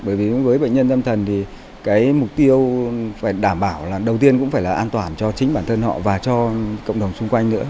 bởi vì với bệnh nhân tâm thần thì cái mục tiêu phải đảm bảo là đầu tiên cũng phải là an toàn cho chính bản thân họ và cho cộng đồng xung quanh nữa